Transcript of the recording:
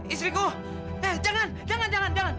istriku jangan jangan jangan